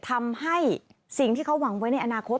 ทำให้สิ่งที่เขาหวังไว้ในอนาคต